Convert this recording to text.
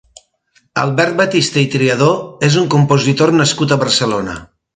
Albert Batiste i Triadó és un compositor nascut a Barcelona.